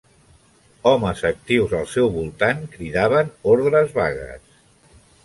Homes actius al seu voltant cridaven ordres vagues.